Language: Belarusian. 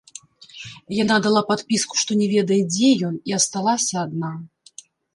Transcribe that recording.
Яна дала падпіску, што не ведае, дзе ён, і асталася адна.